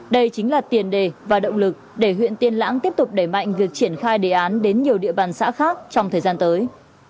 đây chính là tiền đề và động lực để huyện tiên lãng tiếp tục đẩy mạnh việc triển khai đề án đến nhiều địa bàn xã khác trong thời gian tới